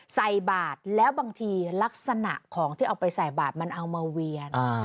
ใส่บาทแล้วบางทีลักษณะของที่เอาไปใส่บาทมันเอามาเวียน